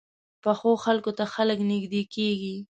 پخو خلکو ته خلک نږدې کېږي